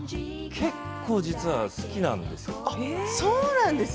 結構、実は好きなんですよ。